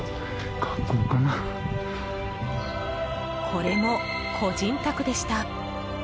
これも個人宅でした。